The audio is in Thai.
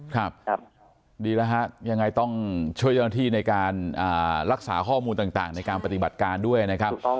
ครับดีแล้วฮะยังไงต้องช่วยเจ้าหน้าที่ในการรักษาข้อมูลต่างในการปฏิบัติการด้วยนะครับ